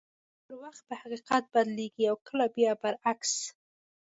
کله درواغ په حقیقت بدلېږي او کله بیا برعکس.